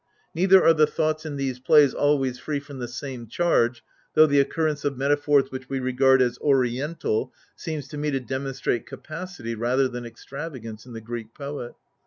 Neither are the thoughts in these plays always free from the same charge, though the occurrence of metaphors which we regard as Oriental, seems to me to demonstrate capacity rather than extravagance in the Greek poet.